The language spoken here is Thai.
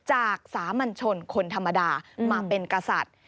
สามัญชนคนธรรมดามาเป็นกษัตริย์